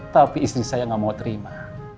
tapi istri saya gak mau terima